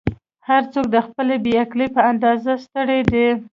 "هر څوک د خپلې بې عقلۍ په اندازه ستړی دی.